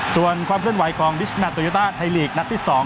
ส่วนความเคลื่อนไหวของบิชแมทโตโยต้าไทยลีกนัดที่๒